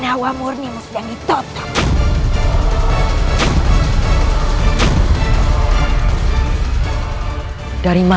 aku akan menghafalmu